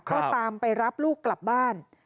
ก็ตามไปรับลูกกลับบ้าน